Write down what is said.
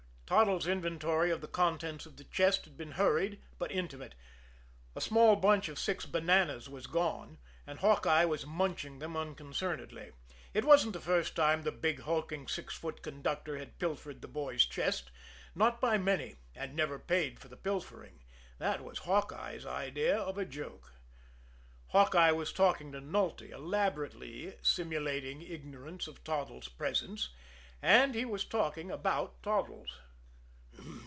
Toddles' inventory of the contents of the chest had been hurried but intimate. A small bunch of six bananas was gone, and Hawkeye was munching them unconcernedly. It wasn't the first time the big, hulking, six foot conductor had pilfered the boy's chest, not by many and never paid for the pilfering. That was Hawkeye's idea of a joke. Hawkeye was talking to Nulty, elaborately simulating ignorance of Toddles' presence and he was talking about Toddles.